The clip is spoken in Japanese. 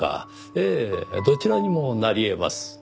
ええどちらにもなり得ます。